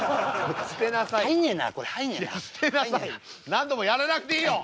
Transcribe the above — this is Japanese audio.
何度もやらなくていいの！